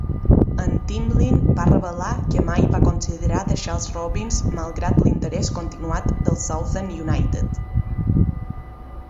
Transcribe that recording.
En Timlin va revelar que mai va considerar deixar els Robins malgrat l'interès continuat del Southend United.